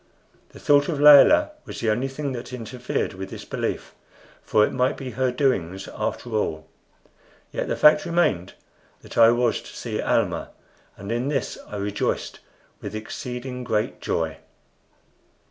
The thought of Layelah was the only thing that interfered with this belief, for it might be her doings after all; yet the fact remained that I was to see Almah, and in this I rejoiced with exceeding great joy.